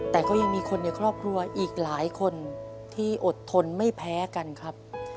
แต่ก็ยังมีคนในครอบครัวอีกหลายคนที่อดทนไม่แพ้กันครับ